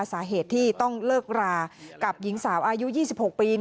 สาเหตุที่ต้องเลิกรากับหญิงสาวอายุ๒๖ปี